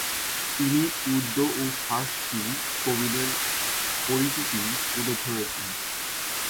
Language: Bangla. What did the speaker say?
তিনি উর্দু ও ফারসি কবিদের পরিচিতি তুলে ধরেছেন।